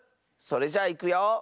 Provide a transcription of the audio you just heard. それじゃいくよ。